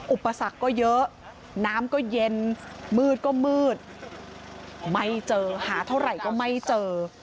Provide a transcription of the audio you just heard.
อุปสรรคก็เยอะน้ำก็เย็นมืดก็มืดไม่เจอหาเท่าไหร่ก็ไม่เจอ